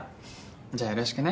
じゃあよろしくね。